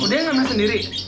oh dia yang ambil sendiri